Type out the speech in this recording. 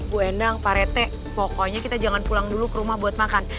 bu endang pak rete pokoknya kita jangan pulang dulu ke rumah buat makan